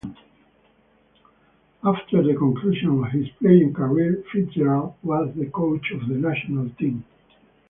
After the conclusion of his playing career, Fitzgerald was coach of the national team.